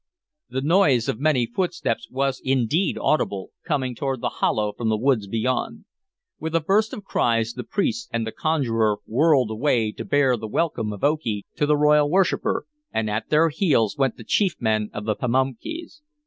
The noise of many footsteps was indeed audible, coming toward the hollow from the woods beyond. With a burst of cries, the priests and the conjurer whirled away to bear the welcome of Okee to the royal worshiper, and at their heels went the chief men of the Pamunkeys.